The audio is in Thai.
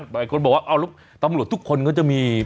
บางคนบอกว่าเอาแล้วตำรวจทุกคนก็จะมี